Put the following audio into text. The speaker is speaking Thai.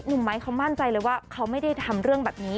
ไม้เขามั่นใจเลยว่าเขาไม่ได้ทำเรื่องแบบนี้